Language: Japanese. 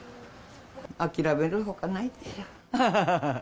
諦めるほかないでしょ。